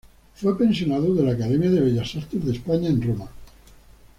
Fue pensionado de la Academia de Bellas Artes de España en Roma.